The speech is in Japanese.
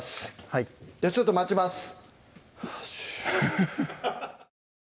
はいちょっと待ちます